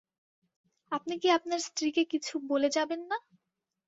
আপনি কি আপনার স্ত্রীকে কিছু বলে যাবেন না?